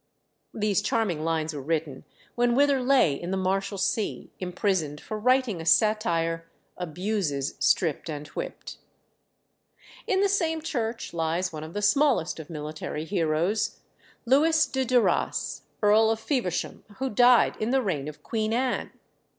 These charming lines were written when Wither lay in the Marshalsea, imprisoned for writing a satire Abuses stripped and whipped. In the same church lies one of the smallest of military heroes Lewis de Duras, Earl of Feversham, who died in the reign of Queen Anne.